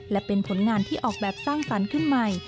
และเป็นผลงานที่ออกแบบสร้างสรรค์ขึ้นใหม่